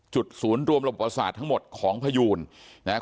จุดศูนย์รวมลบอุปสรรคทั้งหมดของพยูนนะฮะ